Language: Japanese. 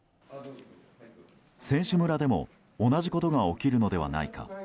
選手村でも同じことが起きるのではないか。